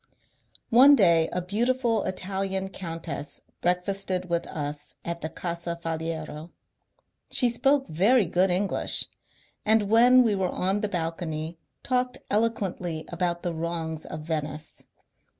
One day a beautiful Italian countess breakfasted with us at the Casa Faliero. She spoke very good English, and when we were on the balcony talked eloquently about the wrongs of Venice.